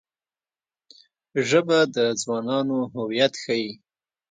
ژبه د ځوانانو هویت ښيي